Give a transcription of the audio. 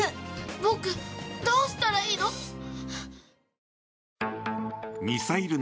僕、どうしたらいいの？